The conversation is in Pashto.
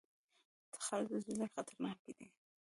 د تخار زلزلې خطرناکې دي